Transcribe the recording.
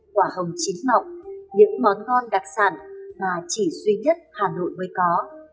quả hồng chín mọc những món ngon đặc sản mà chỉ duy nhất hà nội mới có